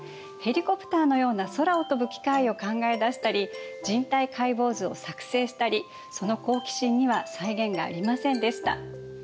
ヘリコプターのような空を飛ぶ機械を考え出したり人体解剖図を作成したりその好奇心には際限がありませんでした。